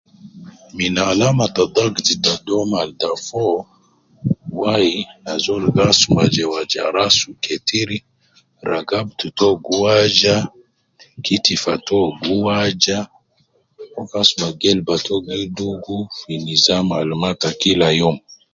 Min alama ta dakt ta dom al ta fo wai azol asuma ja waja rasu ketiri, ragabtu to gi waja ,kitifa to gi waja ,uwo gi asuma gelba to gi dugu fi nizam al ma ta kila youm